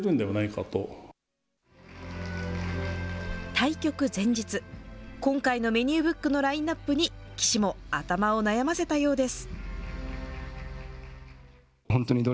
対局前日、今回のメニューブックのラインナップに、棋士も頭を悩ませたようです。